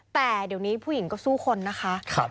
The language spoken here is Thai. แต่เดี๋ยวนี้ผู้หญิงก็สู้คนนะคะ